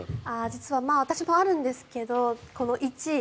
実は私もあるんですけどこの１位。